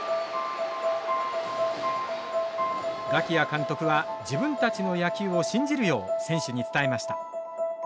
我喜屋監督は自分たちの野球を信じるよう選手に伝えました。